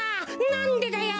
なんでだよ！